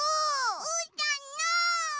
うーたんの！